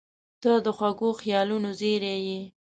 • ته د خوږو خیالونو زېری یې.